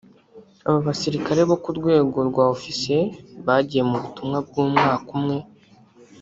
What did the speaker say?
Aba basirikare bo ku rwego rwa ofisiye bagiye mu butumwa bw’umwaka umwe